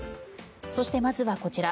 そしてまずはこちら。